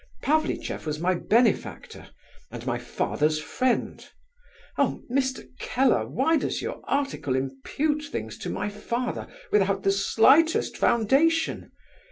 Pavlicheff was my benefactor, and my father's friend. Oh, Mr. Keller, why does your article impute things to my father without the slightest foundation?